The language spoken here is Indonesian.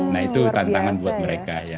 nah itu tantangan buat mereka ya